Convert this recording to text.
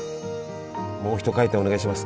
もう一回転お願いします。